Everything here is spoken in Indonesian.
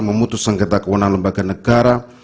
memutus sengketa kewenangan lembaga negara